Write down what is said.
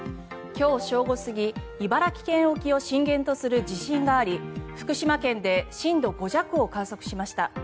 今日正午過ぎ茨城県沖を震源とする地震があり福島県で震度５弱を観測しました。